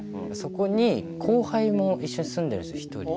そこに後輩も一緒に住んでるんですよ一人。